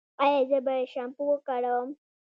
ایا زه باید شامپو وکاروم؟